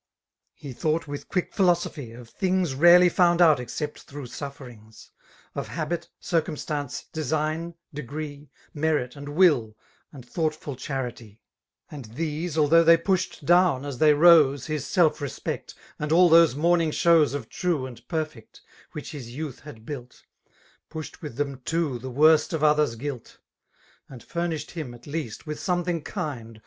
He thought, with quick philosophy^ of things Rarely found out except through sufferings^—* Of habits circumstance^ design^ degree, Merit, and will^ a^d thoughtful charity: 86 And th^> aHbottgh tb^y pnektd dawn, as tlwjr rose/ Hi9 «^»n»pect» nod fdi those morning shewv Of tnie »qd perfe:i> which his youth had balk. Pushed with th^m too the worst of others guflt ; And furnished bioij at leasts with something kind.